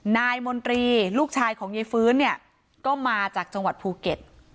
นายมนตรีลูกชายของยายฟื้นเนี่ยก็มาจากจังหวัดภูเก็ต